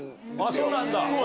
そうなんだ。